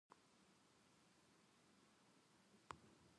英語むずかしすぎだろ。